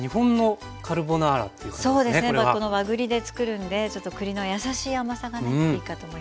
和栗でつくるんでちょっと栗の優しい甘さがねいいかと思います。